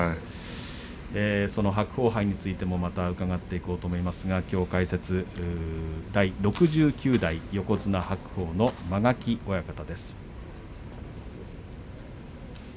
白鵬杯についてもまた伺っていこうと思いますがきょう解説第６９代横綱白鵬の間垣親方です。